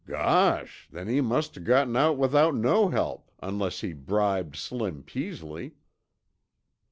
"Gosh! Then he must've got out without no help, unless be bribed Slim Peasley."